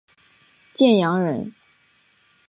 建阳人。